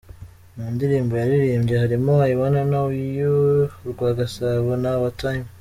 Mu ndirimbo yaririmbye harimo I Wanna Know you, Urwagasabo na Our Time.